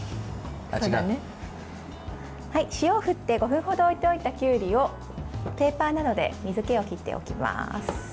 塩を振って５分ほど置いておいたきゅうりをペーパーなどで水けを切っていきます。